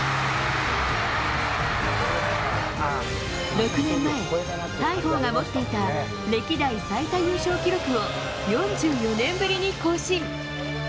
６年前、大鵬が持っていた歴代最多優勝記録を４４年ぶりに更新。